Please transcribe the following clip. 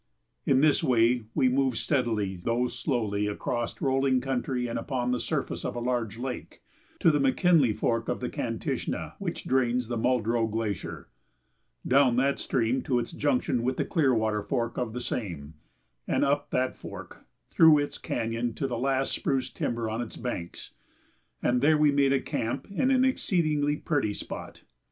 In this way we moved steadily though slowly across rolling country and upon the surface of a large lake to the McKinley Fork of the Kantishna, which drains the Muldrow Glacier, down that stream to its junction with the Clearwater Fork of the same, and up that fork, through its canyon, to the last spruce timber on its banks, and there we made a camp in an exceedingly pretty spot.